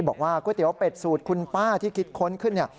บอกว่าก๋วยเตี๋ยวเป็ดสูตรคุณป้าที่คิดค้นขึ้นเนี่ย